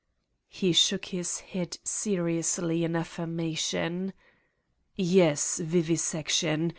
He shook his head seriously in affirmation. "Yes, vivisection.